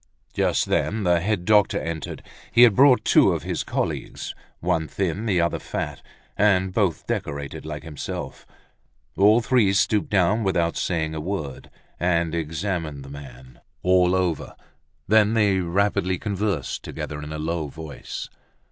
Just then the head doctor entered. He had brought two of his colleagues—one thin, the other fat, and both decorated like himself. All three stooped down without saying a word, and examined the man all over; then they rapidly conversed together in a low voice.